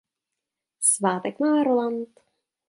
Svátek má Roland.